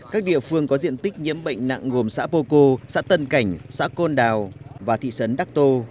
các địa phương có diện tích nhiễm bệnh nặng gồm xã pô cô xã tân cảnh xã côn đào và thị sấn đắc tô